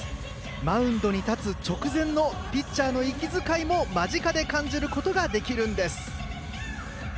マウンドに立つ直前のピッチャーの息遣いも間近で感じることができるんです。